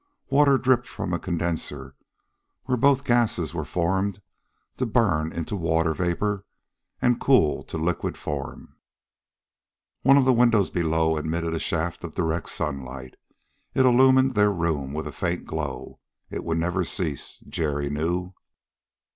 Water dripped from a condenser where both gases were formed to burn into water vapor and cool to liquid form. One of the windows below admitted a shaft of direct sunlight; it illumined their room with a faint glow. It would never cease, Jerry knew.